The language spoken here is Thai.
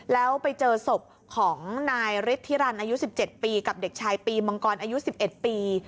แล้วไปเจอศพของนายฤทธิรันอายุ๑๗ปีกับเด็กชายปีมังกรอายุ๑๑ปี